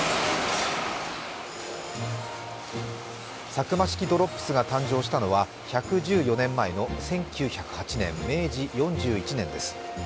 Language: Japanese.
サクマ式ドロップスが誕生したのは１１４年前の１９０８年、明治４１年です。